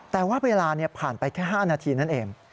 แต่ว่าเวลาผ่านไปแค่๕นาทีนั่นเอง